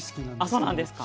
あっそうなんですか？